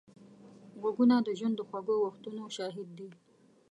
غوږونه د ژوند د خوږو وختونو شاهد دي